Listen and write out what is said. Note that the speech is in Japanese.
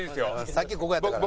さっきここやったから。